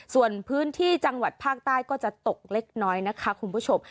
ส่วนพื้นที่จังหวัดภาคใต้ก็จะตกเล็กน้อยนะคะคุณผู้ชม